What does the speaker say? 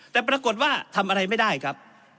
แต่ปรากฏว่าทำอะไรไม่ได้ครับ